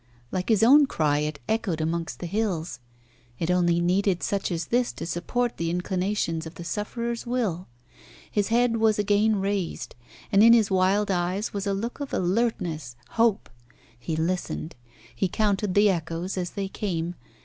Like his own cry, it echoed amongst the hills. It only needed such as this to support the inclinations of the sufferer's will. His head was again raised. And in his wild eyes was a look of alertness hope. He listened. He counted the echoes as they came.